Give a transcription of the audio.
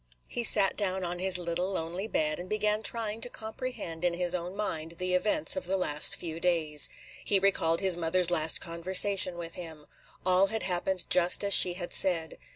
He sat down on his little, lonely bed, and began trying to comprehend in his own mind the events of the last few days. He recalled his mother's last conversation with him. All had happened just as she had said.